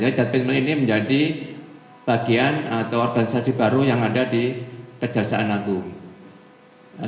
jadi jump it mill ini menjadi bagian atau organisasi baru yang ada di kejaksaan agung